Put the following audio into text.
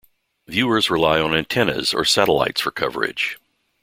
Viewers rely on antennas or satellites for coverage.